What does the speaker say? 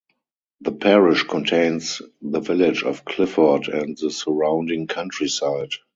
The parish contains the village of Clifford and the surrounding countryside.